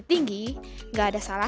terima kasih pak